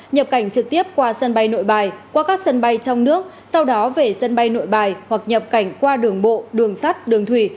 nhập cảnh trực tiếp qua sân bay nội bài qua các sân bay trong nước sau đó về sân bay nội bài hoặc nhập cảnh qua đường bộ đường sắt đường thủy